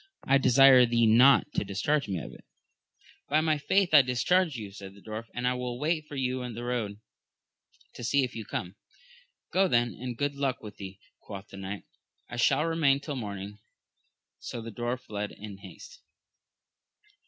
I desire thee not to discharge me of it. By my faith I discharge you, said the dwarf, and I will wait for you in the road, to see if you come. Go then, and good luck go with thee, quoth the knight ; I shall remain till morning. So the dwarf fled in haste.